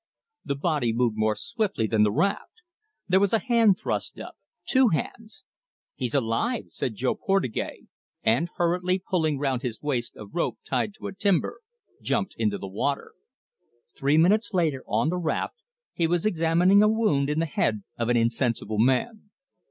The body moved more swiftly than the raft. There was a hand thrust up two hands. "He's alive!" said Jo Portugais, and, hurriedly pulling round his waist a rope tied to a timber, jumped into the water. Three minutes later, on the raft, he was examining a wound in the head of an insensible man.